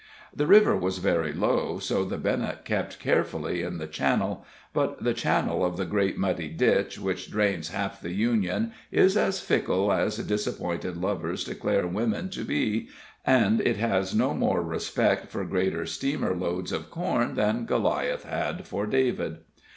The river was very low, so the Bennett kept carefully in the channel; but the channel of the great muddy ditch which drains half the Union is as fickle as disappointed lovers declare women to be, and it has no more respect for great steamer loads of corn than Goliath had for David.